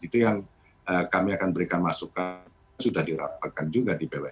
itu yang kami akan berikan masukan sudah dirapatkan juga di bwn